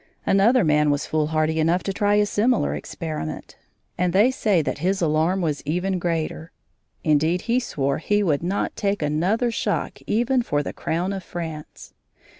Another man was foolhardy enough to try a similar experiment, and they say that his alarm was even greater; indeed, he swore he would not take another shock even for the crown of France.